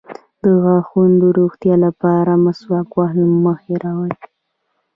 د غاښونو د روغتیا لپاره مسواک وهل مه هیروئ